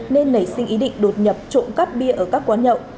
nên nảy sinh ý định đột nhập trộm cắp bia ở các quán nhậu